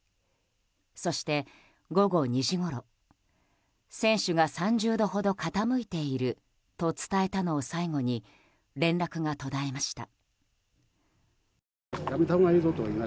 そして、午後２時ごろ船首が３０度ほど傾いていると伝えたのを最後に連絡が途絶えました。